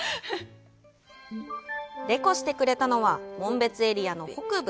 レコしてくれたのは紋別エリアの北部